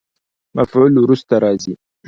مفعول وروسته راځي.